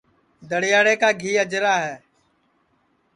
دڑے یاڑے کا گھی اجرا ہے